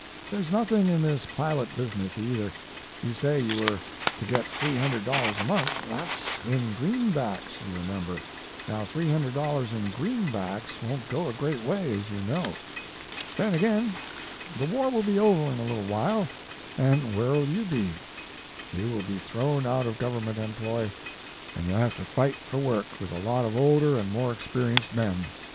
There s nothing in this pilot business either. You say } T OU are to get $300 a month that s ia greenbacks you re member. Now $300 in greenbacks won t His Life and Work. go a great way as you know. Then again, the war will be over in a little while and where 11 you be? You will be thrown out of Government employ and you ll have to fight for work with a lot of older and more experienced men.